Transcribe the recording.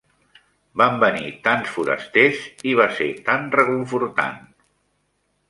Van venir tants forasters i va ser tant reconfortant.